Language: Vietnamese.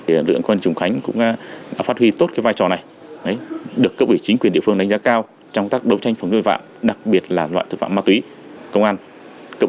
điện quân trùng khánh cũng là địa bàn trung chuyển ma túy giữa việt nam và trung quốc